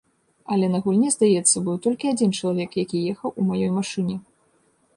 Але на гульні, здаецца, быў толькі адзін чалавек, які ехаў у маёй машыне.